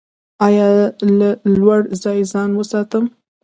ایا له لوړ ځای ځان وساتم؟